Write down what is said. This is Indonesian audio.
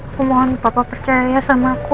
aku mohon papa percaya ya sama aku